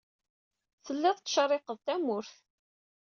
Telliḍ tettcerriqeḍ tawwurt.